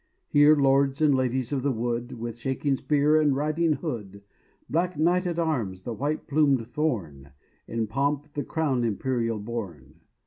Here, Lords and Ladies of the wood, With shaking spear and riding hood: Black knight at arms, the white plumed Thorn; In pomp the Crown Imperial borne.